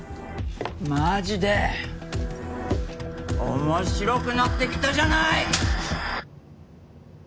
マジで面白くなってきたじゃない！